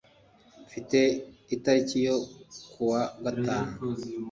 Mfite itariki yo kuwa gatanu